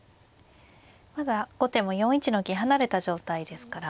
まだ後手も４一の金離れた状態ですから。